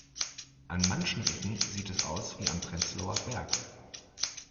An manchen Ecken sieht es aus wie am Prenzlauer Berg.